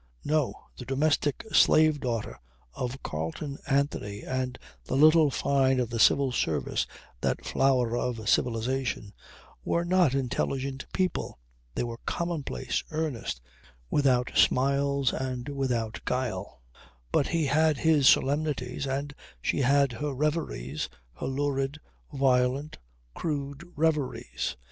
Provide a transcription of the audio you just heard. No! The domestic slave daughter of Carleon Anthony and the little Fyne of the Civil Service (that flower of civilization) were not intelligent people. They were commonplace, earnest, without smiles and without guile. But he had his solemnities and she had her reveries, her lurid, violent, crude reveries.